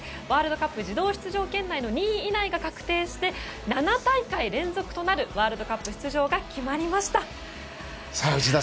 ワールドカップ自動出場圏内の２位以内が確定して７大会連続となるワールドカップ出場が決まりました。